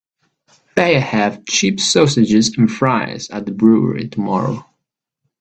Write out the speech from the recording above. They have cheap sausages and fries at the brewery tomorrow.